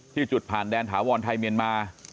จุดผ่านแดนถาวรไทยเมียนมา